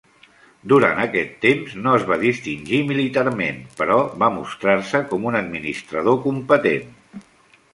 Durant aquest temps no es va distingir militarment, però va mostrar-se com un administrador competent.